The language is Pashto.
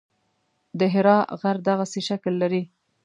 د حرا غر دغسې شکل لري.